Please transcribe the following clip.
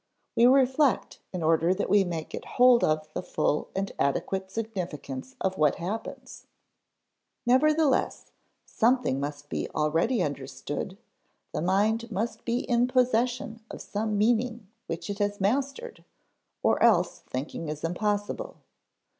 We reflect in order that we may get hold of the full and adequate significance of what happens. Nevertheless, something must be already understood, the mind must be in possession of some meaning which it has mastered, or else thinking is impossible.